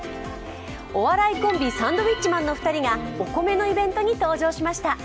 お笑いコンビ、サンドウィッチマンの２人がお米のイベントに登場しました。